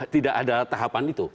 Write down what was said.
tidak ada tahapan itu